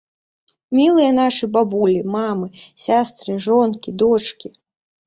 Мілыя нашы бабулі, мамы, сястры, жонкі, дочкі!